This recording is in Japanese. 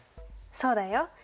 そうだよ。